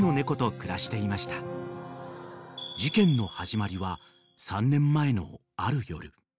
［事件の始まりは３年前のある夜］